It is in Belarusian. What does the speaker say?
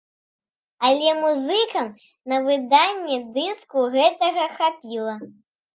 Але музыкам на выданне дыску гэтага хапіла.